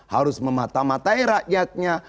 harus mematamatai rakyatnya